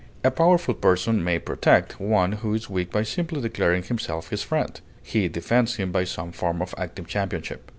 A powerful person may protect one who is weak by simply declaring himself his friend; he defends him by some form of active championship.